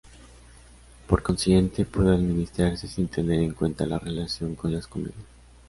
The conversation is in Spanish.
Por consiguiente, puede administrarse sin tener en cuenta la relación con las comidas.